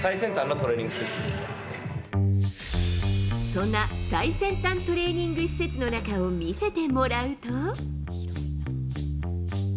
そんな最先端トレーニング施設の中を見せてもらうと。